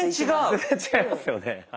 全然違いますよね。